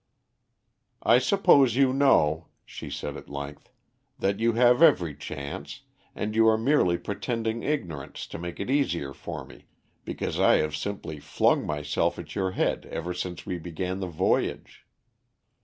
"I suppose you know," she said at length, "that you have every chance, and you are merely pretending ignorance to make it easier for me, because I have simply flung myself at your head ever since we began the voyage."